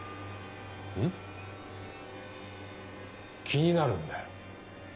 気になるんだよ。